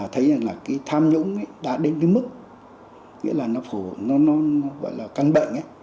thấy là tham nhũng đã đến mức nghĩa là nó phổ nó gọi là căn bệnh